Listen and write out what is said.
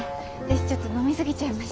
私ちょっと飲み過ぎちゃいました。